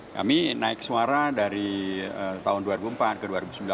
kami naik suara dari tahun dua ribu empat ke dua ribu sembilan dua ribu empat belas